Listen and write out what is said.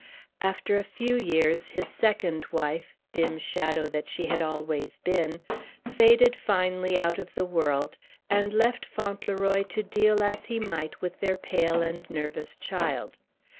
After a few years, his second wife (dim shadow that she had always been) faded finally out of the world, and left Fauntleroy to deal as he might with their pale and nervous child.